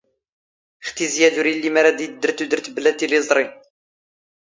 ⵖ ⵜⵉⵣⵉ ⴰⴷ ⵓⵔ ⵉⵍⵍⵉ ⵎⴰ ⵔⴰⴷ ⵉⴷⴷⵔ ⵜⵓⴷⵔⵜ ⴱⵍⴰ ⵜⵉⵍⵉⵥⵕⵉ.